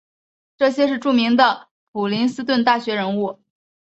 这些是著名的普林斯顿大学人物。